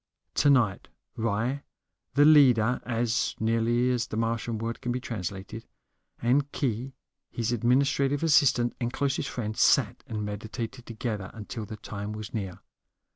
Tonight Ry, the leader (as nearly as the Martian word can be translated), and Khee, his administrative assistant and closest friend, sat and meditated together until the time was near.